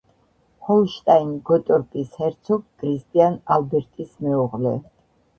ჰოლშტაინ-გოტორპის ჰერცოგ კრისტიან ალბერტის მეუღლე.